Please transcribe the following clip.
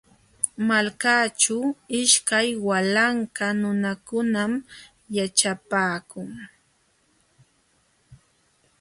Malkaaćhu ishkay walanka nunakunam yaćhapaakun.